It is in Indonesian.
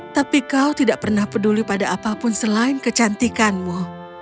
tapi kau tidak pernah peduli pada apapun selain kecantikanmu